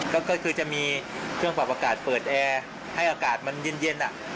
ก็คือจะมีเครื่องปรับอากาศเปิดแอร์ให้อากาศมันเย็น